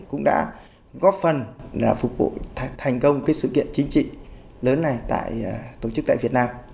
cũng đã góp phần là phục vụ thành công cái sự kiện chính trị lớn này tổ chức tại việt nam